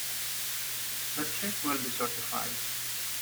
The check will be certified.